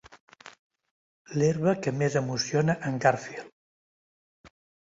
L'herba que més emociona en Garfield.